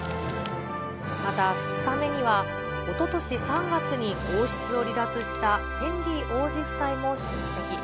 また２日目には、おととし３月に王室を離脱したヘンリー王子夫妻も出席。